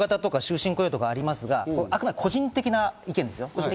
今ジョブ型とか終身雇用とかありますが、あくまで個人的な意見です。